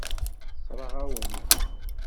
Tessṛeɣ-awen-t.